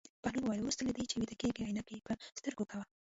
بهلول وویل: وروسته له دې چې ویده کېږې عینکې په سترګو کوه.